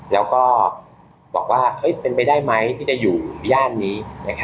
แล้วก็บอกว่าเป็นไปได้ไหมที่จะอยู่ย่านนี้